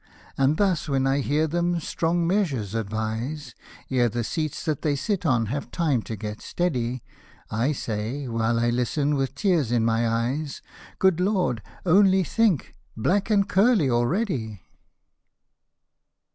And thus, when I hear them " strong measures " advise. Ere the seats that they sit on have time to get steady, I say, while I listen, with tears in my eyes, ''Good Lord! — only think, — black and curly already